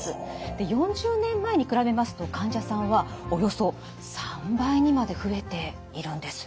４０年前に比べますと患者さんはおよそ３倍にまで増えているんです。